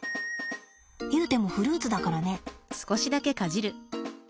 いうてもフルーツだからね。